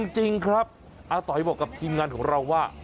จริงครับอาต๋อยบอกกับทีมงานของเราว่า